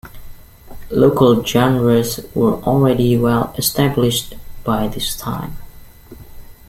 Local genres were already well established by this time.